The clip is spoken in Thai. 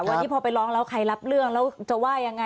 วันนี้พอไปร้องแล้วใครรับเรื่องแล้วจะว่ายังไง